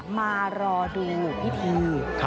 มารอดูพิธี